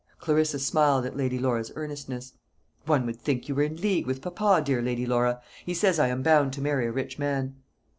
Clarissa smiled at Lady Laura's earnestness. "One would think you were in league with papa, dear Lady Laura. He says I am bound to marry a rich man."